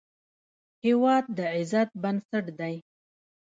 هېواد د عزت بنسټ دی.